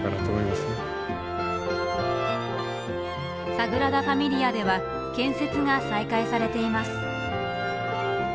サグラダ・ファミリアでは建設が再開されています。